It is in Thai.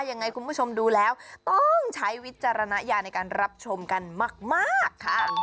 ยังไงคุณผู้ชมดูแล้วต้องใช้วิจารณญาณในการรับชมกันมากค่ะ